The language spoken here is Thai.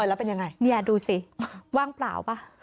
แล้วเป็นยังไงเนี่ยดูสิว่างเปล่าป่ะ